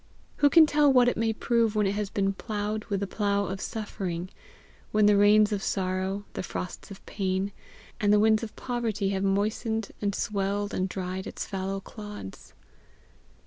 Who can tell what it may prove when it has been ploughed with the plough of suffering, when the rains of sorrow, the frosts of pain, and the winds of poverty have moistened and swelled and dried its fallow clods?